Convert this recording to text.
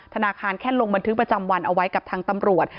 ธนาคารแค่ลงบันทึกประจำวันเอาไว้กับทางตำรวจ